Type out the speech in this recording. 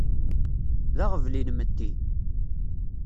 D aɣbel inmetti.